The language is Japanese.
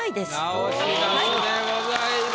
直しなしでございます。